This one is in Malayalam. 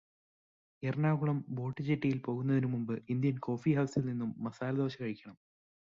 എറണാകുളം ബോട്ട് ജെട്ടിയിൽ പോകുന്നതിന് മുമ്പ് ഇന്ത്യൻ കോഫീ ഹൗസിൽ നിന്നും മസാലദോശ കഴിക്കണം.